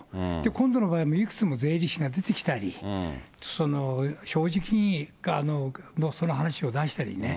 今度の場合も、いくつも税理士が出てきたり、正直にその話を出したりね。